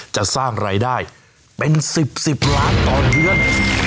จะสร้างรายได้เป็น๑๐๑๐ล้านต่อเดือน